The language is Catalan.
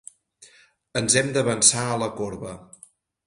Ens hem d'avançar a la corba.